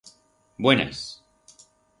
Buenas!